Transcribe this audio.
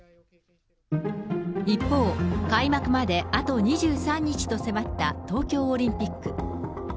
一方、開幕まであと２３日と迫った東京オリンピック。